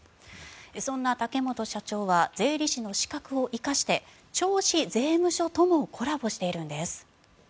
そんな竹本社長は税理士の資格を生かして銚子税務署ともコラボしているんです。